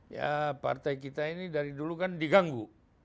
ya partai kita ini dari dulu kan diganggu